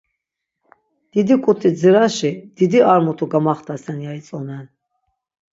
Didi k̆ut̆i dziraşi didi ar mutu gamaxtasen ya itzonen.